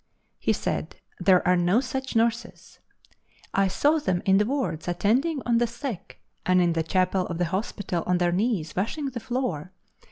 He said: "There are no such nurses." I saw them in the wards attending on the sick, and in the chapel of the hospital on their knees washing the floor.